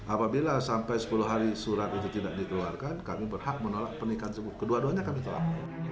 apabila sampai sepuluh hari surat itu tidak dikeluarkan kami berhak menolak pernikahan kedua duanya kami tolak